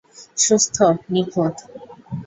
সুস্থ, নিখুঁত।